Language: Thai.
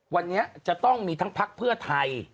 วันนี้จะต้องมีทั้งพักเพื่อไทย